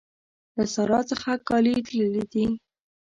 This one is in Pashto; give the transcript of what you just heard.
له سارا څخه کالي تللي دي.